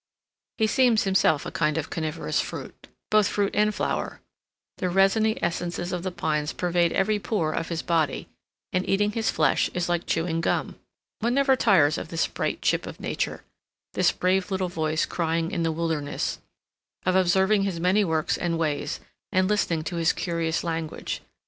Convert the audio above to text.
He seems himself a kind of coniferous fruit,—both fruit and flower. The resiny essences of the pines pervade every pore of his body, and eating his flesh is like chewing gum. One never tires of this bright chip of nature,—this brave little voice crying in the wilderness,—of observing his many works and ways, and listening to his curious language.